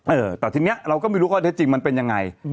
เออแต่ทีนี้เราก็ไม่รู้ข้อเท็จจริงมันเป็นยังไง